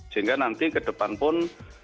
sehingga nanti ke depan pun